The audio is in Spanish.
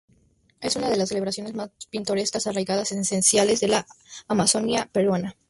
Es una de las celebraciones más pintorescas, arraigadas y esenciales de la amazonia peruana.